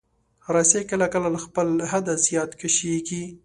رسۍ کله کله له خپل حده زیات کشېږي.